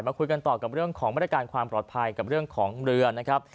คุยกันต่อกับเรื่องของมาตรการความปลอดภัยกับเรื่องของเรือนะครับ